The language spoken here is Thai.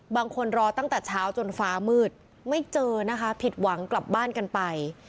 รอตั้งแต่เช้าจนฟ้ามืดไม่เจอนะคะผิดหวังกลับบ้านกันไป